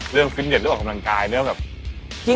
เรื่องฟิตเนียนเรื่องกำลังกาย